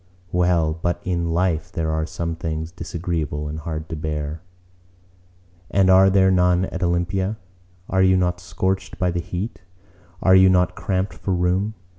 "Well, but in life there are some things disagreeable and hard to bear." And are there none at Olympia? Are you not scorched by the heat? Are you not cramped for room?